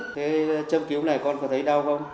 thế chăm cứu này con có thấy đau không